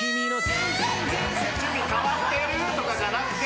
「趣味変わってる！」とかじゃなくて。